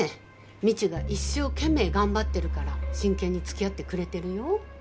未知が一生懸命頑張ってるから真剣につきあってくれてるよ。